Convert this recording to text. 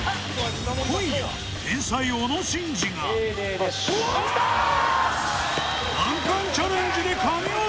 今夜天才小野伸二がよし難関チャレンジで神業！